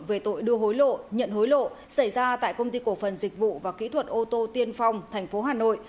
về tội đưa hối lộ nhận hối lộ xảy ra tại công ty cổ phần dịch vụ và kỹ thuật ô tô tiên phong tp hà nội